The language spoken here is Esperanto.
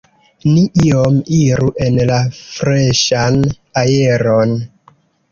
Ni iom iru en la freŝan aeron.